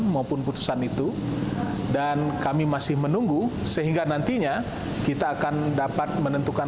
maupun putusan itu dan kami masih menunggu sehingga nantinya kita akan dapat menentukan